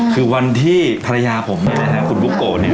คือวันที่ภรรยาผมแม่คุณบุ๊กโกะเนี่ย